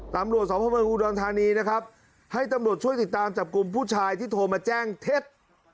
ตำรวจสมภาพเมืองอุดรธานีนะครับให้ตำรวจช่วยติดตามจับกลุ่มผู้ชายที่โทรมาแจ้งเท็จ